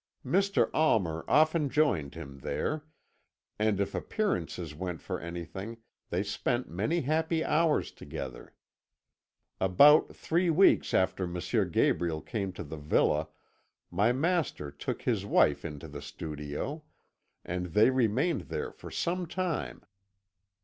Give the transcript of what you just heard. Mr. Almer often joined him there, and if appearances went for anything, they spent many happy hours together. About three weeks after M. Gabriel came to the villa my master took his wife into the studio, and they remained there for some time.